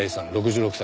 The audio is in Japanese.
６６歳。